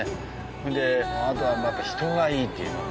それであとはやっぱ人がいいっていうのと。